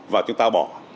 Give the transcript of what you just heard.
và chúng ta bỏ